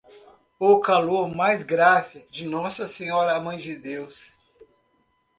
O calor mais grave, de Nossa Senhora a Mãe de Deus.